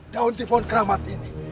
daun di pohon keramat ini